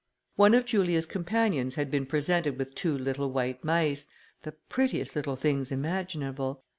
One of Julia's companions had been presented with two little white mice, the prettiest little things imaginable.